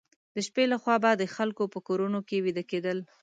د شپې لخوا به د خلکو په کورونو کې ویده کېدل.